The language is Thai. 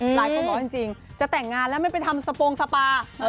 หลายคนบอกว่าจริงจะแต่งงานแล้วไม่ไปทำสโปรงสปา